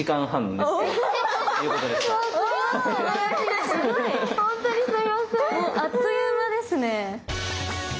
もうあっという間ですね。